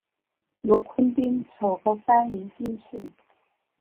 禄坤丁丑科翻译进士。